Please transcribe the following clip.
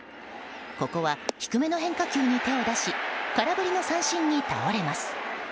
ここは低めの変化球に手を出し空振りの三振に倒れます。